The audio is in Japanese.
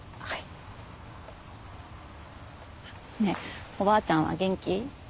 あっねえおばあちゃんは元気？